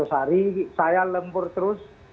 satu hari saya lembur terus